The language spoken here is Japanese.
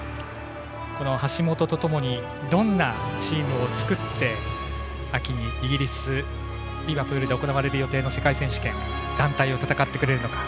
橋本とともにどんなチームを作って秋にイギリス・リバプールで行われる予定の世界選手権団体を戦ってくれるか。